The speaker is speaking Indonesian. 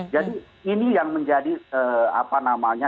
jadi ini yang menjadi apa namanya